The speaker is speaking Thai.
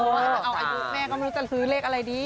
พอเอายุแม่ก็ไม่รู้จะซื้อเลขอะไรดี